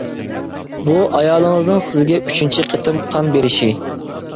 -بۇ، ئايالىڭىزنىڭ سىزگە ئۈچىنچى قېتىم قان بېرىشى.